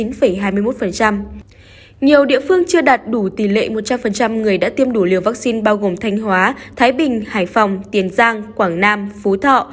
nhiều địa phương chưa đạt đủ tỷ lệ một trăm linh người đã tiêm đủ liều vaccine bao gồm thanh hóa thái bình hải phòng tiền giang quảng nam phú thọ